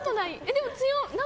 でも強く。